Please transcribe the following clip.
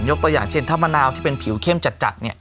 ตัวอย่างเช่นถ้ามะนาวที่เป็นผิวเข้มจัดเนี่ย